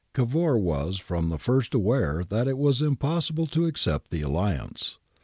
^ Cavour was from the first aware that it was impos sible to accept the alliance.